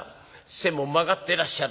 背も曲がってらっしゃる。